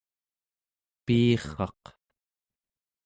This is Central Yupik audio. piirraq